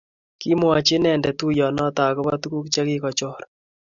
Kimwoch inendet tuiyonoto agobo tuguk chekikichor